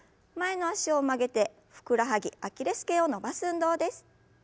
前の脚を曲げてふくらはぎアキレス腱を伸ばす運動です。